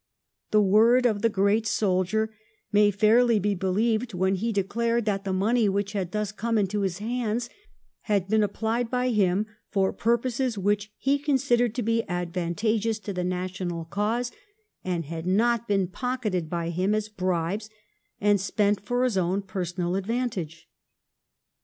The word of the great soldier may fairly be believed when he declared that the money which had thus come into his hands had been applied by him for purposes which he considered to be advantageous to the national cause, and had not been pocketed by him as bribes, and spent for his own personal advantage.